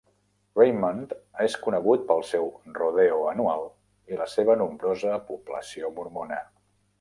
Raymond és conegut pel seu 'rodeo' anual i la seva nombrosa població mormona.